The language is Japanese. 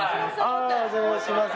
お邪魔します